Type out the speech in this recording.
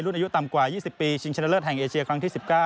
อายุต่ำกว่า๒๐ปีชิงชนะเลิศแห่งเอเชียครั้งที่๑๙